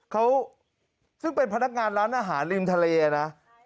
เขาซึ่งเป็นพนักงานร้านอาหารริมทะเลนะ